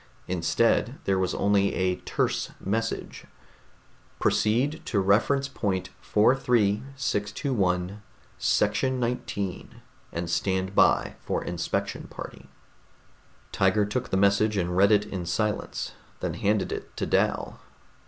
Instead, there was only a terse message: PROCEED TO REFERENCE POINT 43621 SECTION XIX AND STAND BY FOR INSPECTION PARTY Tiger took the message and read it in silence, then handed it to Dal.